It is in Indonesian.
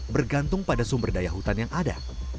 bergantung pada sumber daya hutan yang ada